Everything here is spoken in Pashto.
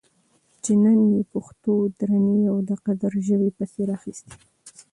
چې نن یې پښتو درنې او د قدر ژبې پسې راخیستې